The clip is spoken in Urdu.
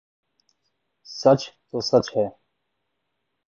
سچ تو سچ ہی